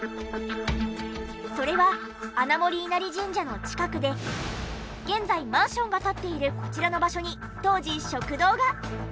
それは穴守稲荷神社の近くで現在マンションが立っているこちらの場所に当時食堂が！